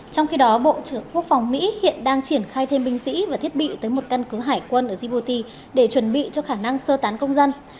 trong khi đó bộ trưởng quốc phòng mỹ hiện đang triển khai thêm binh sĩ và thiết bị tới một căn cứ hải quân ở dbouti để chuẩn bị cho khả năng sơ tán công dân